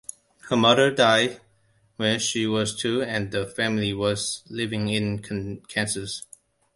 Her mother died when she was two and the family was living in Kansas.